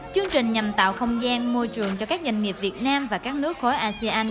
chương trình nhằm tạo không gian môi trường cho các doanh nghiệp việt nam và các nước khối asean